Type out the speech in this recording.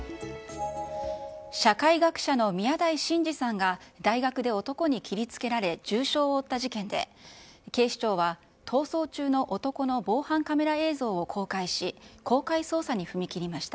社会学者の宮台真司さんが、大学で男に切りつけられ、重傷を負った事件で、警視庁は、逃走中の男の防犯カメラ映像を公開し、公開捜査に踏み切りました。